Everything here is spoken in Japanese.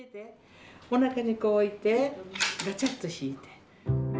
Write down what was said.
おなかに置いてガチャっと引いて。